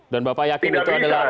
bapak yakin itu adalah